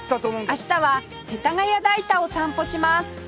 明日は世田谷代田を散歩します